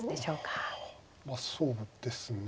まあそうですね。